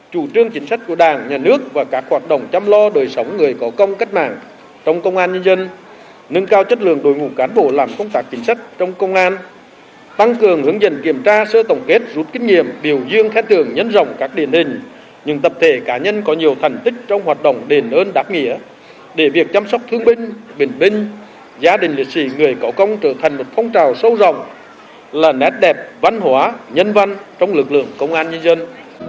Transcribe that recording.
chủ trương chính sách của đảng nhà nước và các hoạt động chăm lo đời sống người có công cách mạng trong công an nhân dân nâng cao chất lượng đội ngũ cán bộ làm công tác chính sách trong công an tăng cường hướng dần kiểm tra sơ tổng kết rút kinh nghiệm biểu dương khai thường nhân rộng các điện hình những tập thể cá nhân có nhiều thành tích trong hoạt động đền ơn đáp nghĩa để việc chăm sóc thương binh bình binh gia đình liệt sĩ người có công trở thành một phong trào sâu rộng là nét đẹp văn hóa nhân văn trong lực lượng công an nhân dân